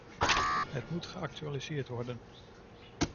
Het moet geactualiseerd worden.